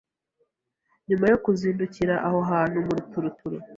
Nyuma yo kuzindukira aho hantu mu ruturuturu,